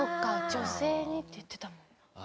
女性にって言ってたもんな。